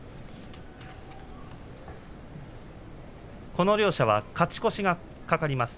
この両者は勝ち越しが懸かります。